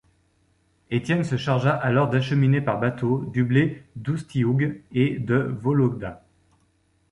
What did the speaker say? Étienne se chargea alors d'acheminer par bateaux du blé d'Oustioug et de Vologda.